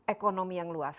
ekonomi yang luas